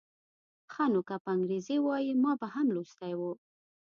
ښه نو که په انګریزي وای ما به هم لوستی و.